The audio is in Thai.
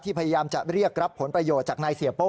พยายามจะเรียกรับผลประโยชน์จากนายเสียโป้